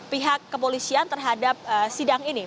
pihak kepolisian terhadap sidang ini